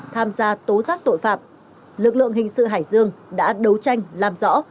tham gia tố giác tội phạm lực lượng hình sự hải dương đã đấu tranh làm rõ